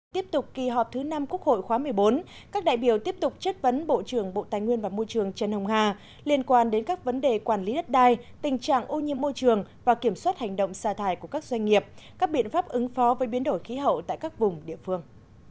tiếp tục kỳ họp thứ năm quốc hội khóa một mươi bốn các đại biểu tiếp tục chất vấn bộ trưởng bộ tài nguyên và môi trường trần hồng hà liên quan đến các vấn đề quản lý đất đai tình trạng ô nhiễm môi trường và kiểm soát hành động xa thải của các doanh nghiệp các biện pháp ứng phó với biến đổi khí hậu tại các vùng địa phương